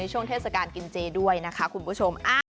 ช่วงเทศกาลกินเจด้วยนะคะคุณผู้ชม